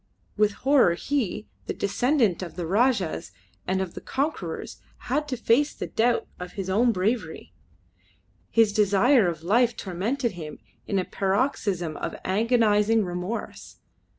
With horror he, the descendant of Rajahs and of conquerors, had to face the doubt of his own bravery. His desire of life tormented him in a paroxysm of agonising remorse.